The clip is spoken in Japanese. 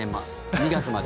２月まで。